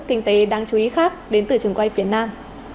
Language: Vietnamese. các tin tức kinh tế đang chú ý khác đến từ trường quay phía nam